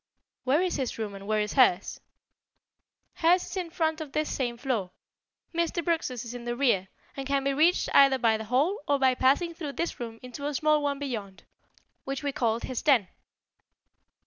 "Where is his room and where is hers?" "Hers is in front on this same floor. Mr. Brooks's is in the rear, and can be reached either by the hall or by passing through this room into a small one beyond, which we called his den."